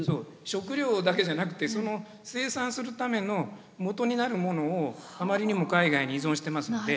食料だけじゃなくてその生産するためのもとになるものをあまりにも海外に依存してますので。